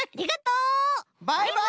バイバイ！